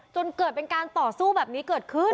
จนเกิดเป็นการต่อสู้แบบนี้เกิดขึ้น